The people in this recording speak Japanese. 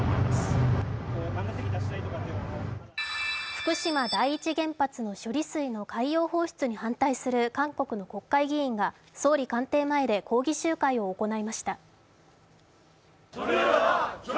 福島第一原発の処理水の海洋放出に反対する韓国の国会議員が総理官邸前で抗議集会を行いました。